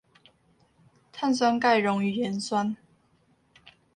碳酸鈣溶於鹽酸